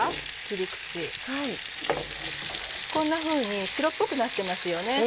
こんなふうに白っぽくなってますよね。